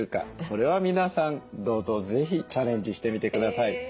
これは皆さんどうぞ是非チャレンジしてみてください。